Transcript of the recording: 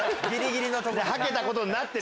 はけたことになってる。